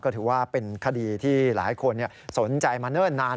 ก็ถือว่าเป็นคดีที่หลายคนสนใจมาเนิ่นนาน